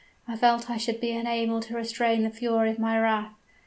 I felt I should be unable to restrain the fury of my wrath!